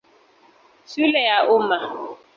Shule ya Umma.